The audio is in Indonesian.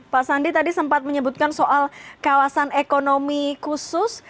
pak sandi tadi sempat menyebutkan soal kawasan ekonomi khusus